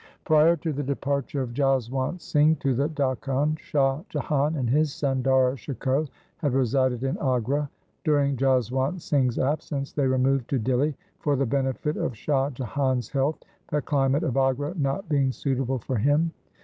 Prior to the departure of Jaswant Singh to the Dakhan, Shah Jahan and his son Dara Shikoh had resided in Agra. During Jaswant Singh's absence they removed to Dihli for the benefit of Shah Jahan's health, the climate of Agra not being suitable for him.